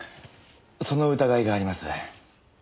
その疑いがあります。